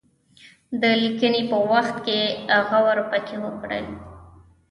د لیکني په وخت کې غور پکې وکړي.